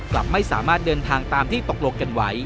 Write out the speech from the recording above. กลับไม่สามารถเดินทางตามที่ตกลงกันไว้